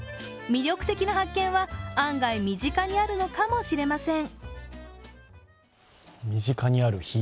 魅力的な発見は案外身近にあるのかもしれません。